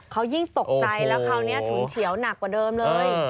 เขายิ่งตกใจแล้วคราวนี้ฉุนเฉียวหนักกว่าเดิมเลย